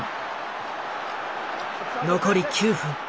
残り９分。